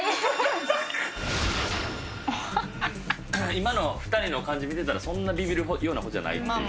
今の２人の感じ見てたらそんなビビるような事じゃないっていう。